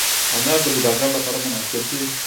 انار د بوډاګانو لپاره مناسب دی.